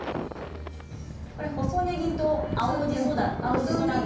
細ねぎと青じそです。